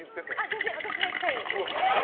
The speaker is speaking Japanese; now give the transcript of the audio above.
全然、私が行きたいです。